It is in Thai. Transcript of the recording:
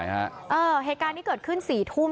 เหตุการณ์นี้เกิดขึ้น๔ทุ่ม